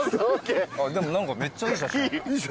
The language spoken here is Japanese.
でも何かめっちゃいい写真。